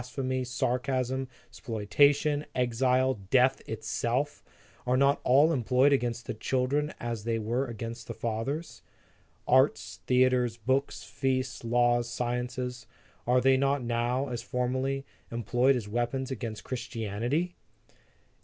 phemy, sarcasm, spoliation, exile, death itself, are not all employed against the children, as they were against the fathers ? Arts, theatres, books, feasts, laws,, sciences, are they not now, as formerly, employed as weap ons against Christianity?